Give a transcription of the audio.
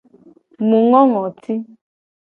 Mu ngo ngoti.